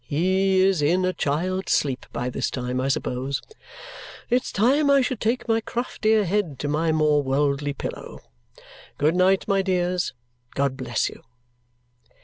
He is in a child's sleep by this time, I suppose; it's time I should take my craftier head to my more worldly pillow. Good night, my dears. God bless you!"